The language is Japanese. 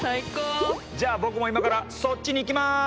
じゃあ僕も今からそっちに行きます。